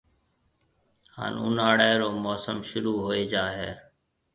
ھان اُوناݪيَ رو موسم شروع ھوئيَ جائيَ ھيََََ